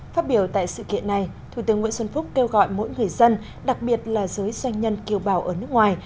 phát biểu tại sự kiện này thủ tướng nguyễn xuân phúc kêu gọi mỗi người dân đặc biệt là giới doanh nhân kiều bào ở nước ngoài